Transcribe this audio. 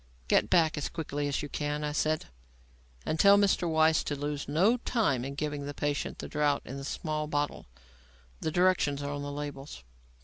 "Get back as quickly as you can," I said, "and tell Mr. Weiss to lose no time in giving the patient the draught in the small bottle. The directions are on the labels."